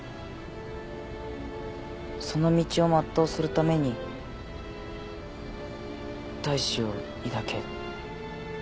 その道を全うするために大志を抱け」